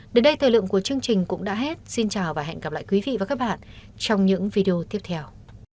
đến đây thời lượng của chương trình cũng đã hết xin chào và hẹn gặp lại quý vị và các bạn trong những video tiếp theo